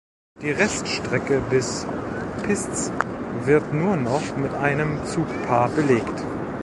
Die Reststrecke bis Pisz wird nur noch mit einem Zugpaar belegt.